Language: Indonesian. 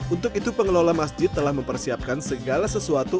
untuk itu pengelola masjid telah mempersiapkan segala sesuatu